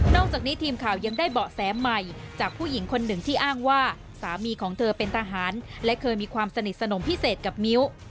จากนี้ทีมข่าวยังได้เบาะแสใหม่จากผู้หญิงคนหนึ่งที่อ้างว่าสามีของเธอเป็นทหารและเคยมีความสนิทสนมพิเศษกับมิ้ว